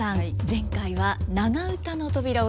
前回は長唄の扉を開きましたね。